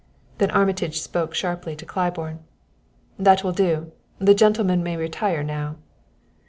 Then Armitage spoke sharply to Claiborne. "That will do. The gentleman may retire now."